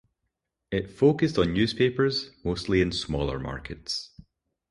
It focused on newspapers, mostly in smaller markets.